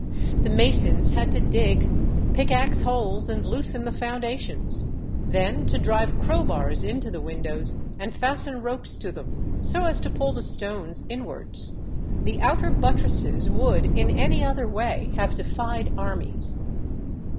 The masons had to dig, pickaxe holes, and loosen the foundations, then to drive crowbars into the windows and fasten ropes to them, so as to pull the stones inwards. The outer buttresses would in any other way have defied armies.